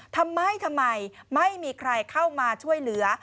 ทำไมทำไมไม่มีใครเข้ามาช่วยเหลือ